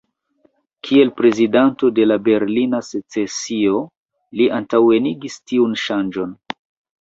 Kiel prezidanto de la "Berlina secesio" li antaŭenigis tiun ŝanĝon.